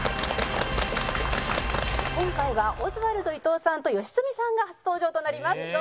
今回はオズワルド伊藤さんと吉住さんが初登場となります。